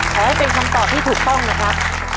ขอให้เป็นคำตอบที่ถูกต้องนะครับ